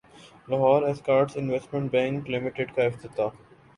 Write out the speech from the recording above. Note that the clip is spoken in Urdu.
Lahore Escorts Investment Bank لمیٹڈکاافتتاح